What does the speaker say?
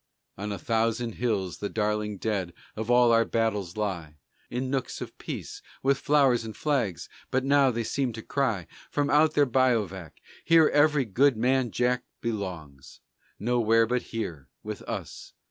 On a thousand hills the darling dead of all our battles lie, In nooks of peace, with flowers and flags, but now they seem to cry From out their bivouac: "Here every good man Jack Belongs. Nowhere but here with us.